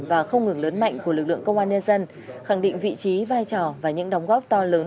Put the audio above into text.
và không ngừng lớn mạnh của lực lượng công an nhân dân khẳng định vị trí vai trò và những đóng góp to lớn